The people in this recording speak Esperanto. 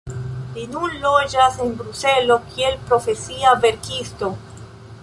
Li nun loĝas en Bruselo kiel profesia verkisto.